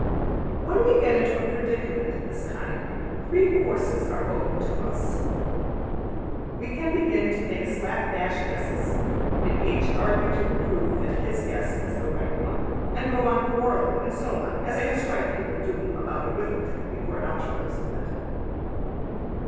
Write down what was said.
When we get into a predicament of this kind, three courses are open to us. We can begin to make slap dash guesses, and each argue to prove that his guess is the right one; and go on quarrelling; and so on; as I described people doing about arithmetic before Algebra was invented.